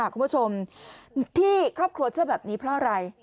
คุณผู้ชมที่ครอบครัวเชื่อแบบนี้เพราะอะไร